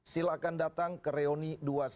silahkan datang ke reuni dua ratus dua